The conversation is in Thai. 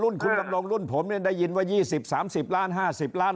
รุ่นคุณดำรงรุ่นผมเนี่ยได้ยินว่ายี่สิบสามสิบล้านห้าสิบล้าน